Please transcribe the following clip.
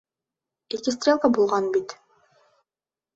Ике стрелка булған бит!